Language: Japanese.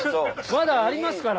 まだありますから。